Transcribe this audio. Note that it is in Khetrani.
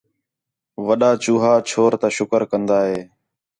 وݙا چوہا چھور تا شُکر کَندا ہِے